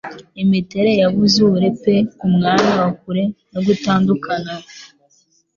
Imiterere ya Buzure pe kumwanya wa kure no gutandukana.